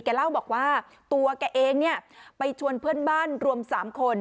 เล่าบอกว่าตัวแกเองเนี่ยไปชวนเพื่อนบ้านรวม๓คน